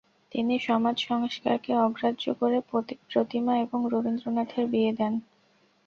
তিনি সমাজ সংস্কারকে অগ্রাহ্য করে প্রতিমা এবং রথীন্দ্রনাথের বিয়ে দেন।